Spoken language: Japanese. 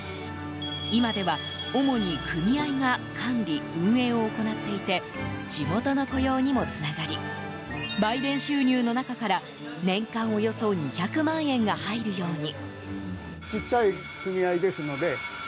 今では、主に組合が管理・運営を行っていて地元の雇用にもつながり売電収入の中から年間およそ２００万円が入るように。